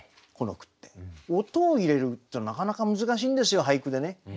音を入れるっていうのなかなか難しいんですよ俳句でね。